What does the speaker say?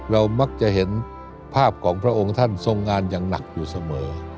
เรามักจะเห็นภาพของพระองค์ท่านทรงงานอย่างหนักอยู่เสมอ